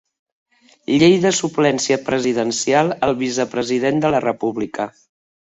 Llei de Suplència Presidencial al Vicepresident de la República.